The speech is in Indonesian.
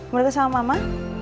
berdekat sama mama